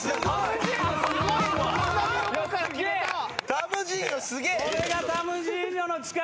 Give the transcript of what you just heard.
タムジーニョすげえ。